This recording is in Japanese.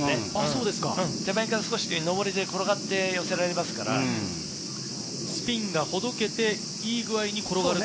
手前から少し上って、手前で転がせますから、スピンがほどけて、いい具合に転がる。